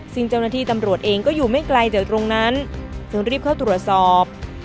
ซึ่งเจ้าหน้าที่ตำรวจเองก็อยู่ไม่ไกลจากตรงนั้นจึงรีบเข้าตรวจสอบ